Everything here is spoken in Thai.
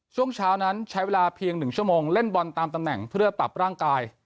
ช่วงเช้านั้นใช้เวลาเพียง๑ชั่วโมงเล่นบอลตามตำแหน่งเพื่อปรับร่างกาย